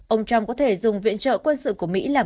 ông trump có thể dùng các nguồn tin này để tham gia cuộc chiến